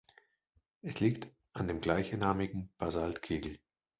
Es liegt an dem gleichnamigen Basaltkegel.